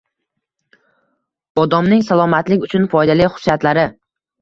Bodomning salomatlik uchun foydali xususiyatlari